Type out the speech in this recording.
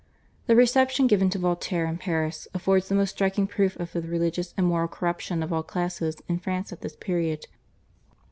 The reception given to Voltaire in Paris affords the most striking proof of the religious and moral corruption of all classes in France at this period.